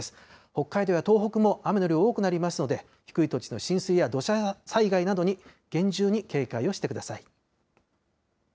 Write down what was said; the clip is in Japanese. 北海道や東北も雨の量多くなりますので、低い土地の浸水や土砂災害などに厳重に警戒をしてください。